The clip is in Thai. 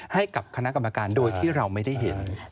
ให้กับคณะกรรมการโดยที่เราไม่ได้เห็น